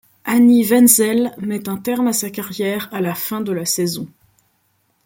Hanni Wenzel met un terme à sa carrière à la fin de la saison.